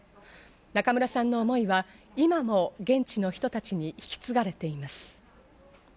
中村さんの思いは今も現地の人たちに引き継がれています。